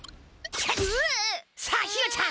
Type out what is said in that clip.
さあひよちゃん！